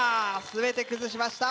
全て崩しました。